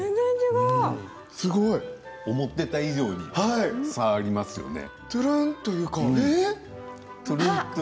すごい。思っていた以上に変わりますよね。